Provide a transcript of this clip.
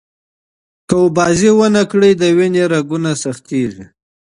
که لامبو ونه ووهئ، د وینې رګونه سختېږي.